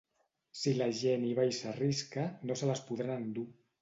Si la gent hi va i s’arrisca, no se les podran endur.